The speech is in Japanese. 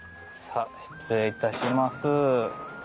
さぁ失礼いたします。